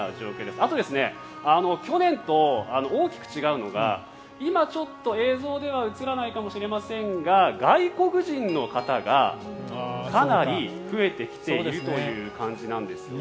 あと、去年と大きく違うのが今、映像では映らないかもしれませんが外国人の方がかなり増えてきているという感じなんですよね。